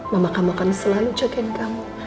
mama kamu akan selalu jagain kamu